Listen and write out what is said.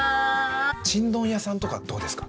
ちんどん屋さんとかどうですか？